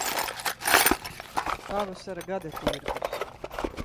Pavasara gadatirgus